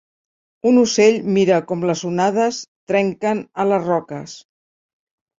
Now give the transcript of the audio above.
Un ocell mira com les onades trenquen a les roques.